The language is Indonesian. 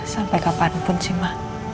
sampai kapanpun sih ma